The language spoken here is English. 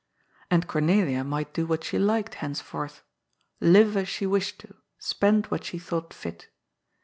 And Cornelia might do what she liked henceforth. Live as she wished to, spend what she thought fit.